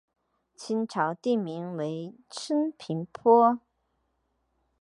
清朝定名为升平坡。